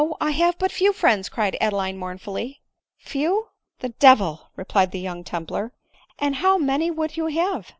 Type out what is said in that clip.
I have but few friends," cried Adeline mourn fully. " Few ! the devil !" replied the young templar ;" and how many would you have